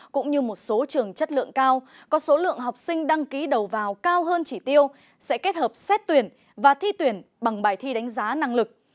cũng như một số trường chất lượng cao có số lượng học sinh đăng ký đầu vào cao hơn chỉ tiêu sẽ kết hợp xét tuyển và thi tuyển bằng bài thi đánh giá năng lực